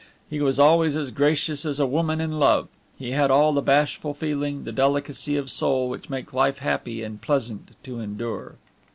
He was always as gracious as a woman in love; he had all the bashful feeling, the delicacy of soul which make life happy and pleasant to endure.